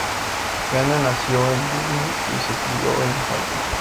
Keane nació en Dublín y se crio en Galway.